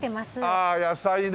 あっ野菜ね。